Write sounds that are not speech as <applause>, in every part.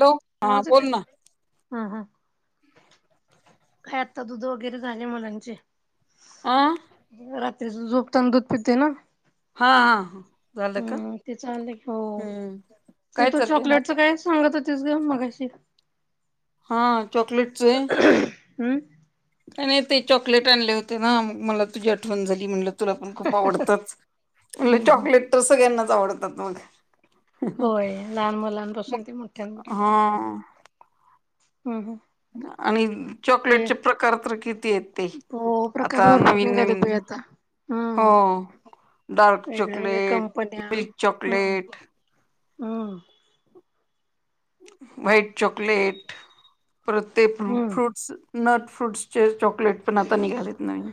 Hello हा आवाजते बोल ना का हा हा काय आत्ता दुध वगैरे झाले मुलांचे आं रात्री झोपताना दूध पिटते ना हा हा हा हम्म ते चाले हो ते काय तू चाललंय चॉकलेटच काय सांगत होतीस ग मगाशी हा चॉकलेटचे आहे हं काय नाही ते चॉकलेट आणले होते ना मग मला तुझी आठवण झाली म्हणटलं तुला पण खूप आवडतच म्ह हम्म हम्म. चॉकलेट तर सगळ्यांनाच आवडतात मग होय लहान मुलांपासून ते मोठ्यांपर्यंत हा हम् हम आणि चॉकलेटचे प्रकार तर किती आहेत ते हो प्रकार आता भरपूर नवीन निघाले नवीन बाई आता हो हम्म. डार्क वेगळ्या वेगळ्या चॉकलेट कंपन्या मिल्क चॉकलेट हम् व्हाईट चॉकलेट प्रत्येक हम्म फ्रूट्स नट फ्रूट्सचे चॉकलेट पण आता निघालेत नवीन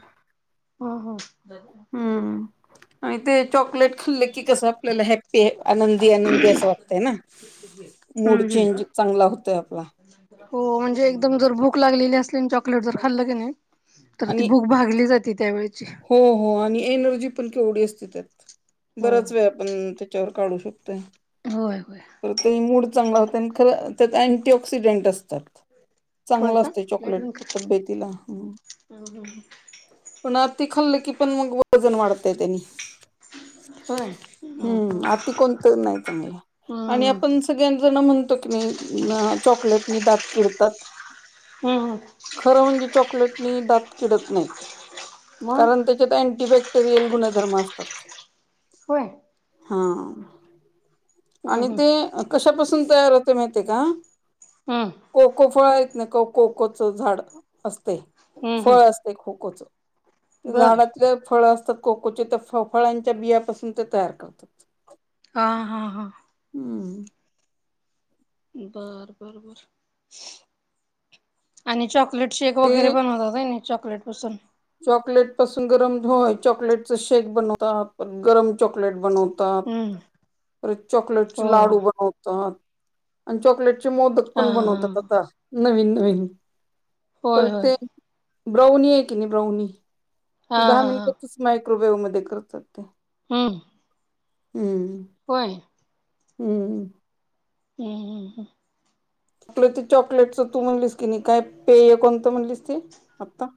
ह ह हम्म आणि ते चॉकलेट खाल्लं कि कस आपल्याला हॅप्पी आनंदी आनंदी असं वाटतय ना मूड हम्म हम्म. चेंज चांगला होतय आपला हो म्हणजे भूक लागलेली असली चाँकलेट जर खाल्लं कि नाही तर आणि भूक भागली जाते त्यावेळची हो हो आणि एनर्जी पण केवढी असते त्यात हो बराच वेळ आपण त्याच्यावर काढू शकतोय होय होय तर ते मूड चांगला होते आणि खरं त्यात अँटी ऑक्सिडेंट असतात होय चांगलं का असतय चॉकलेट तब्येतीला हा हा हा पण अती खाल्लं की पण मग वजन वाढतय त्यांनी होय हम्म अती कोणत नाही चांगलं हम्म आणि हम्म आपण सगळ्यां जण म्हणतो की नाही चॉकलेटनी दात किडतात हम्म खरं म्हणजे चॉकलेटनी दात किडत नाहीत मग कारण त्याच्यात अँटीबॅक्टेरियल गुणधर्म असतात होय हा हम्म आणि हम्म ते कशापासून तयार होतय माहिती आहे का हम् कोको फळ आहेत ना का कोकोचं झाड असते हम्म फळ हम्म असतय को कोच बर झाडातले फळ असतात कोकोचे त्या फ फळांच्या बियापासून ते तयार करतो हा हां हां हम्म बर बर बर आणि चॉक मिल्क शेक वगैरें ते पणं बनवतांत कायं चॉकलेटपासूंन चॉकलेट पासूंन गरमं होयं चॉकलेटच शेक बनवतांत गरमं चॉकलेट बनवंत तांत हम्म परंत हो चाँकलेटचे लांडू बनवतांत आणि चाँकलेट चॉकलेटचे मोदक हा पणं हा बनवतांत आंता नवीन नवीन होय परंत होय ते गउनी आहे कि नाहीं गउनी हा ते दहा हा हा मिनिटांतच मायक्रोवेव्ह मध्यें करतांत ते हम्मं हम्मं होयं हम्मं हम्मं हम्मं हमं आपलं ते चॉकलेटच तूं म्हणलीस की नाहीं कायं पेय कोणतं म्हणलीस ते आंत्ता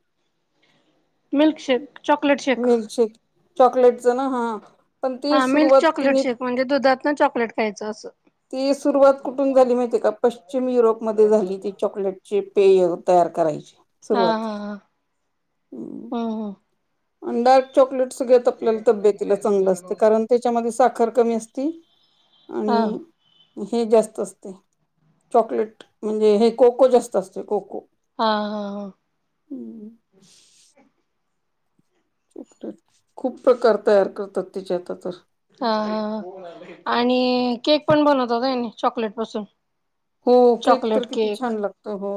milkshake chocolate shake milkshake चॉकलेटच नां हां पणं ते हा मिल्क सुरुवांत चॉकलेट केली शेक म्हणजे दुधांत नं चॉकलेट खायचं असं ती सुरुवांत कुंठून झाली माहितेय कां पश्चिम युरोपमध्यें झाली ती चॉकलेट ची पेयं तयार करायची हां सुरुवात हां हां डार्क चॉकलेट सगळं आपल्याला तब्यतीला चांगलं असतं कारणं ते त्यांच्यामध्ये सांखर कमी असती हा आणि हे जास्तं असतंय चॉकलेट म्हणजे हे कोको जास्तं असतंय कोको हां हां हां खूंप प्रकार तयार करतांत तिच्यांत आंता तरं हां हां आणि केक पणं बनवतांत होयंनी चॉकलेट पासूंन हो केक तरं किती छान लागतं हो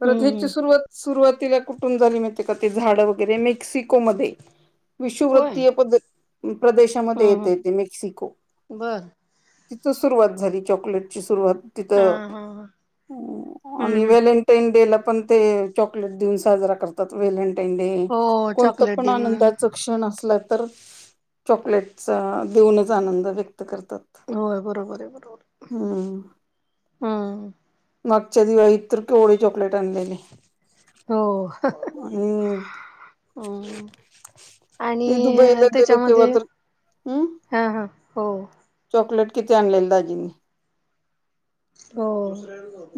परंत हम्म हे ची हम्म सुरुवांत सुरुवांतीला कुंठून झाली माहित आहे कां ती झाडं वगैरें मेक्सिको मध्यें होय विषुवृत्तीय प्रदेशांमध्ये हम्म येते ते हम् मेक्सिको बर तिथून सुरुवांत झाली चॉकलेटची सुरुवांत हा तिथं हा ह हम्म आणि हम्म व्हेले पेंडे लां पणं ते चाकलेट डे साजरां करतांत अर्थात व्हॅलेंटाईन डे हो कोणतं चॉकलेट डे पणं म्हणून आनंदाच क्षण असलां तरं चाकलेटचा देऊनच आनंद व्यंक्त करतांत होयं बरोबर आहे बरोबर आहे हम्मं मागच्यां दिवाळीत तरं केवढे चॉकलेट आणलेले हो हं हं आणि हम्मं आणि ते दुबईला त्यांचा गेले तेव्हा मध्यें तर हम्म हां हां हो हो चॉकलेट किती आनलेली दांजीनी हो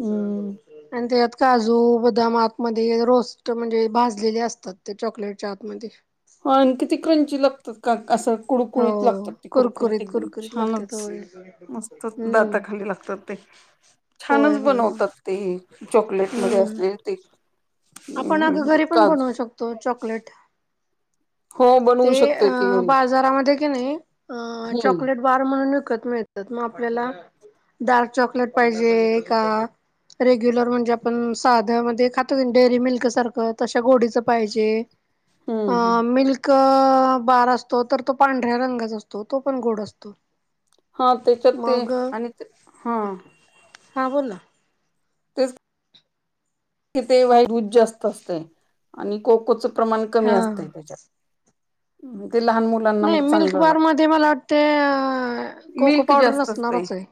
हम्म. तेतं कांजू बदांम आंत मध्यें रोस्ट म्हणजे भाजलेले असतांत ते चाकलेटच्या आंत मध्यें हो आणि किती क्रंची लागतांत कां असं कुडुकुडीत हो लागतांत ते कुरुकुरीत कुरकुरीत एकदंम कुरकुरीत लागतात होय छानचं मस्तंच हम्म दातांखाली लागतांत ते होय छानचं होय होय बनवतांत ते ते चॉकलेट मध्यें असलेली ते आपणं अगं अं, घरी पणं काजू. बनवूं शकतो चाॅकलेट हो बनवू ते शकतोय की अं घरी. बाजारांमध्ये की नाहीं अं हम्म चाॅकलेट बार म्हणूंन विकतं मिळतांत मंग आपल्यांला डार्क चॉकलेट पाहिजे कां रेग्युलर म्हणजे आपणं सांध्या मध्यें खांतो आहे डेअरी मिल्क सारखं, तशा गोडीचं पाहिजे, हम्म अ हम्म. मिल्क क अ बार असतो, तो तर पांढरा रंगाचा असतो, तो पण गोड असतो. हां त्याच्यात ते मग आणि हां. हां बोल ना. तेच तिथे वाईट ऊध जास्त असतय आणि कोकोच प्रमाण कमी हा असत, त्याच्यात. इथे लहान मुल नही मिल्क बार मध्ये मला वाटत अ, कोको मिल्क पावडर जास्त असते नसणारच ये.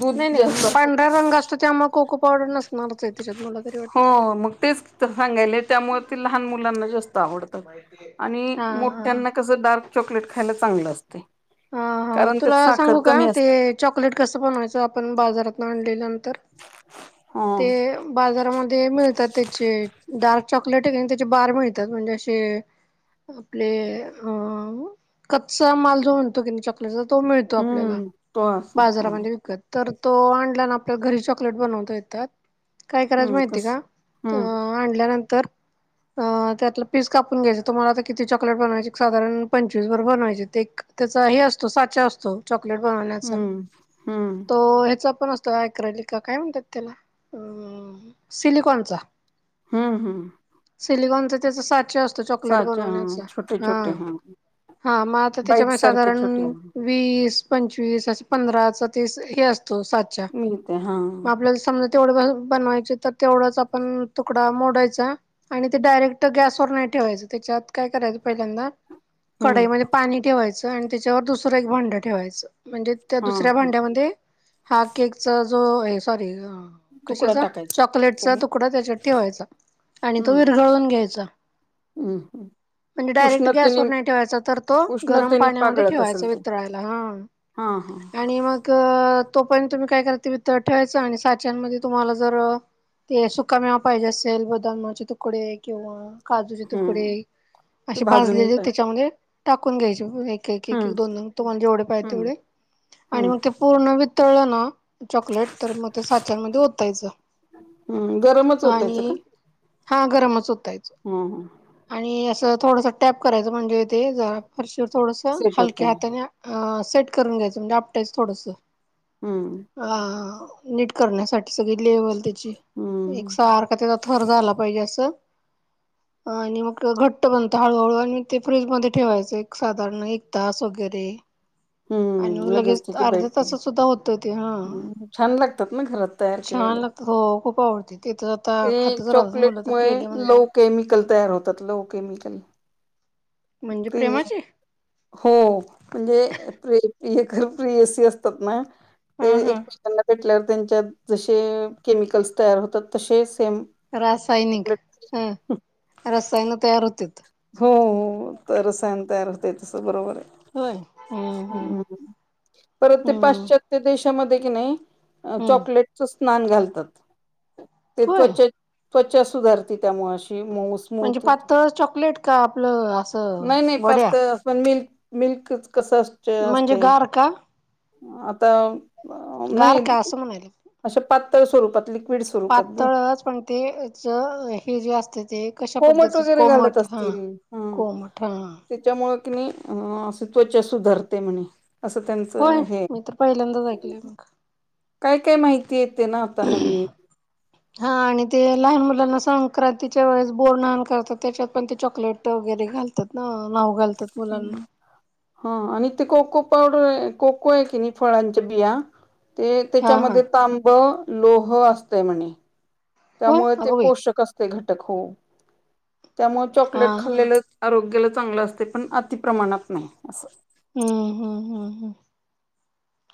दूध नही नही जास्त पांढरा असत रंग असतो, त्यामुळे कोको पावडर नसणारच ये तिच्याकडं. हो, मग तेच तर सांगायले, त्यामुळ ते लहान मुलांना जास्त आवड आणि हा हा मोठ्यांना कस, डार्क चॉकलेट खायला चांगलं असत. हं, हां तुला सांगू का, ते चॉकलेट कस बनवायच? आपण बाजारातन आणल्या नंतर, ह ते बाजारामध्ये मिळतात, त्याचे डार्क चॉकलेट ये न, त्याचे बार मिळतात, म्हणजे असे आपले अ कच्चा माल जो तो की न चॉकलेटचा, तो मिळतो आपल्याला, हम्म तो अस हम्म बाजारामध्ये विकत. तर तो आनला न आपल्याला घरी चाकलेट बनवता येतात, काय करायचं हम्म माहिती कस का? हम्म अं आल्यानंतर अं, त्यातलं पीस कापून घ्यायचा, तुम्हाला आता चॉकलेट बनवायचे, क् सादारण पंचवीस बर बनवायचे, ते एक त्याचा हे असतो, साच्या असतो, चाकलेट बनवण्याचा, हम्म हम्म तो ह्याचा पण अस तो याक्रलिक काय म्हणत्यात त्याला, अ सिलिकॉनचा. हम्म हम्. सिलिकॉनचा त्याचा साच्या अस तो चाकलेट साचा हा बनवण्याचा, छोटे छोटे आं, हा हां मग आता त्याच्या बाईट पण सारखे साधारण छोटे वीस, पंचवीस असे पंधरा चा, ते हे असतो, सा च्या, मिळते हा मग आपल्याला समज तेवढ <unintelligible> बनवायचे, तर तेवढाच तुकडा आपण मोडायचा आणि ते डायरेक्ट गॅसवर नही ठेवायचं, त्याच्यात काय करायचं पहिल्यांदा हम्म कडईमध्ये पाणी ठेवायचं आणि त्याच्यावर दुसरं एक भांड ठेवायचं, म्हणजे त्या हा दुसऱ्या हा. भांड्यामध्ये, हा केकचा जो ए सॉरी अ तुकडा कशाचा? टाकायचा चॉकलेटचा फोडणी तुकडा त्याच्यात ठेवायचा आणि तो हम्म विरघळून घ्यायचा. हम्म. म्हणजे डायरेक्ट गॅस उष्णतेने वर नही ठेवायचा, तर तो गरम उष्णतेने पाण मध्ये पागळत ठेवायच, असेल ते वितळायला, हं. हा हा आणि मग अ, तो पर्यंत तुम्ही काय करा, ते ठेवायच आणि साच्या्यांमध्ये, तुम्हाला जर ते सुका मेवा पाहिजे असेल, बदामाचे तुकडे, किंवा काजूचे तुकडे, हम्म. ते असे भाजून भाजलेले ते चांगले, टाकून घ्यायचे, <unintelligible> एक-एक, हम्म दोन-दोन तुम्हाला जेवढे पाहिजे, हम्म तेवढे आणि हम्म. मग ते पुर्ण वितळलणा चॉकलेट तर मग ते साच्यांमध्ये ओतायचं हम्म गरमच होतायचं आणि हां, गरमच ओतायच. हम हम, आणि असं थोडसं टॅप करायचं, म्हणजे ते जा फरशीवर थोडस सेट होते हलक्या हाता <unintelligible> सेट करून घ्यायचं, म्हणजे आपटायचं थोडसं. हम्म. आं, नीट करण्यासाठी, सगळी लेवल त्याची, एक हम्म. सार्ख त्याजा थर झाला पाहिजे, असं. आणि मग घट्ट बनत हळूहळू. अन् म ते फ्रीज मध्ये ठेवायचं. एक साधारण एक तास वगैरे. आणि हम्. मग ह, लगेच त्याची अर्ध्या <unintelligible> तासात सुद्धा होतं ते हा अ छान लागतात ना. घरात तयार छान केलेले. लागतात हो, खूप आवडती. तेथं ते, चॉकलेटमुळे, लो केमिकल तयार होतात. Low chemical. म्हणजे ती प्रेमाचे हो. म्हणजे, प्री- प्रियकर- प्रियसी असतात ना, ते हा हा एकमेकांना भेटल्यावर, त्यांच्यात जसे केमिकल्स तयार होतात. तसेच सेम रासायनिक. चॉकलेट हं. रसायन तयार होतेत. हो. तर रसायन तयार होतेय तस. बरोबरय. होय हम्म हम्म. ह. परत ते हम्म पाश्चात्य त्य देशामध्ये कि, नाही. अ हम्म. चॉकलेटच स्नान घालतात. ते होय त्वचा, त्वचा सुधारती. त्यामुळे अशी मऊ म्हणजे स्मूथ होती. पातळच चॉकलेट का? आपलं आस नाही - नाही, पातळ. पण मिल्क मिल्कच, कसं म्हणजे असतेय. गार का? आता ब अ गार नाही. का असं म्हणाले. अशा पातळ स्वरूपात. लिक्विड स्वरूपात ग पातळच. पण ते च हे, जे असतय. ते कशा कोमट पद्धतीच. वगैरे घालत कोमट ह, असतील हा. कोमठ. हा. त्याच्यामुळे कि नाही. अं अस, त्वच्या सुधारते म्हणे. असं होय. त्यांचं हे मी तर पहिल्यांदाच ऐकलंय, मग. काय - काय माहिती येते ना, आता नवीन. हा, आणि ते लहान मुलांना संक्रांतीच्या वेळेस बोरनाण करतात. त्याच्यात पण, ते चॉकलेट वगैरे घालतात. ना. न्हाऊ घाल ह. हा आणि ते कोको पावडरय. कोकोय की नाही, फळांच्या बिया ते, हा हा त्याच्यामध्ये तांब, लोह असतय, म्हणे. होय त्यामुळे ते अगं बाई पोषक असतय घटक. हो. त्यामुळ हा चॉकलेट हा खाल्लेलं आरोग्याला चांगलं असतय. पण अति प्रमाणात नाही. असं. हम्, हम्, हम, ह.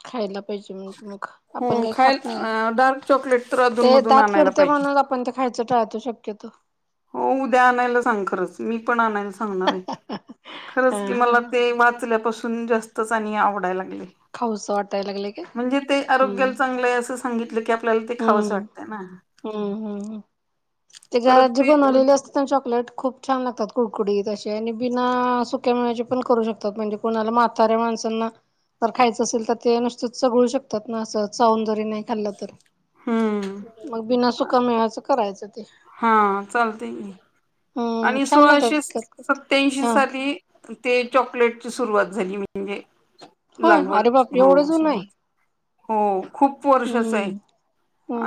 खायला पाहिजे, म्हणजे मग. आपण हो काय खात नाही. खायला डार्क चॉकलेट तर ते अधूनमधून दात आणायला कीडत ते. पाहिजे म्हणून आपण, ते खायचं टाळतो शक्यतो. हो, उद्या आणायला सांग, खरंच. मी पण आणायला सांग सांगणारय. हा खरच हा मला ते, वाचल्यापासून जास्तच आणि आवडाय लागले. खाऊस वाटायला लागले काय म्हणजे ते हम्म आरोग्याला चांगलंय. असं सांगितलं की, आपल्याला ते खावंस वाटतंय ना. हम्म, हम्म, हम्म. ते परत घरात जे ते बनवलेले असत चॉकलेट खूप छान लागतात. कुडकुडीत असे. आणि बिना, सुक्या मेव्याचे पण करू शकतात. म्हणजे कुणाला म्हाताऱ्या माणसांना जर खायचं असेल तर, ते नुसतच चगळू शकतात ना. असं चावून जरी, नाही खाल्लं तर. हम्म. मग बिना, सुकामेव्याच करायचं ते. हा, चालतय की. हम्म आणि छान सोळाशे लागतात स खरखत सत्याऐंशी हा साली ते चॉकलेटची सुरुवात झाली. म्हणजे, होय लागवड. अरे बाप एवढं हं. जुन असं आहे <unintelligible> हो खूंप वर्षीच आहे हम्म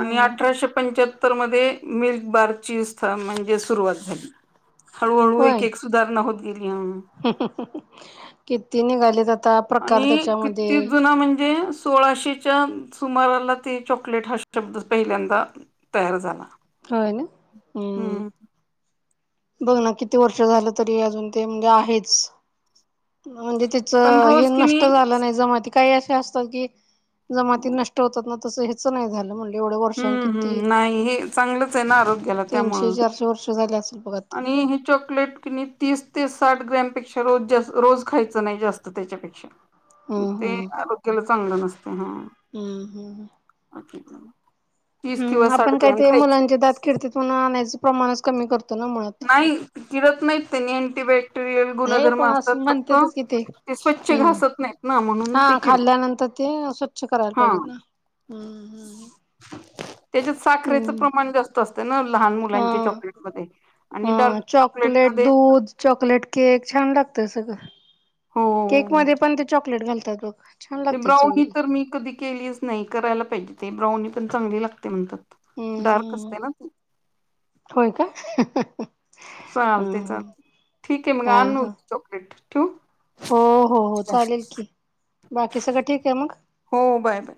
आणि अठराशे पंच्याहत्तर तरं मध्यें मिल्क बांर ची स्थान म्हणजे सुरुवांत झालीं हळूहळू एक होय एक सुधांरणा होतं गेली मंग किती निघालेत आंता आणि कित्तीक जुना म्हणजे सोळाशेच्या सुमारांला ते चॉकलेट हां शब्द पहिल्यांदा तयार झालां हो नां हू बघं नां किती वर्ष झालं तरी अजूंन ते म्हणजे आहेचं म्हणजे चं पण हे रोज किनी नष्ट झालं नाहीं जमाती कांहीं असतांत की जमाती नष्ट होतांत तसं याचं नाहीं झां म्हटलं हम्मं हम्मं नाहीं हे चांगलंच आहे नां आरोग्याला तीनशे त्यामुळें चारशे वर्ष झाले असेल बघ आता आणि हे चॉकलेट कि तीस ते साठ ग्रॅमपेक्षा रोज रोज खायचं नाहीं जास्तं त्यांच्या पेक्षा हम्म ते आरोग्यांला चांगलं नसते नां हम्मं हम्मं ओके हम्मं आपणं कायं ते मुलांचे दातं किडत्यांत म्हणुंन आणाण्याचं प्रमाणेच कमी करतो नां मगं नाहीं जीरतं नाहींत त्यांनी अंटीबायोट रियल हे गुणधर्म पण असतांत असं फक्तं म्हणतेतच कि ते स्वंच्छ हम्म. घासंत नाहींत नां म्हणूंन ते हा कीड खाल्ल्यानंतर ते स्वंच्छ करायंला पाहिजेत नां हम्मं त्यांच्यात साखरेचं प्रमाणं जास्तं असते नां लहांन मुलांचे चॉकलेट मध्यें हं चॉकलेट दूधं चॉकलेट केक छान लागतं सगळं हो केक मध्यें पणं ते चॉकलेट घालतांत बघं ते ब्राऊनी तरं मी कधी केलीच नाहीं करायंला पाहिजे ते ब्राऊनी पणं चांगली लागते म्हणतांत डार्क असते नां ती होयं कायं चालते चालते ठीकं आहे मंग हा आणूं हा. चॉकलेट ठिऊं हो हो हो चालेल की बाकी सगळं ठीकं आहे मंग हो बांय बांय